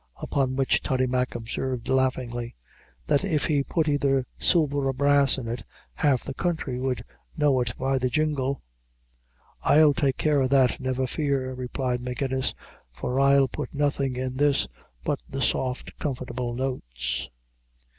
Upon which Toddy Mack observed, laughingly "That if he put either silver or brass in it, half the country would know it by the jingle." "I'll take care of that, never fear," replied Magennis, "for I'll put nothing in this, but the soft, comfortable notes."